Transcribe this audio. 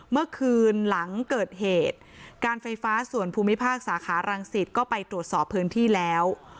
เมื่อคืนหลังเกิดเหตุการไฟฟ้าส่วนภูมิภาคสาขารังสิตก็ไปตรวจสอบพื้นที่แล้ว